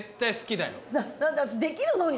だって私できるのに。